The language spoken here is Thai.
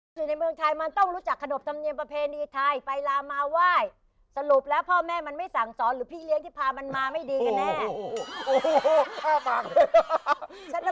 อยู่ในเมืองไทยมันต้องรู้จักขนบธรรมเนียมประเพณีไทยไปลามาไหว้สรุปแล้วพ่อแม่มันไม่สั่งสอนหรือพี่เลี้ยงที่พามันมาไม่ดีกันแน่